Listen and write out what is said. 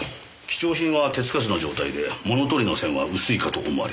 貴重品は手つかずの状態で物取りの線は薄いかと思われます。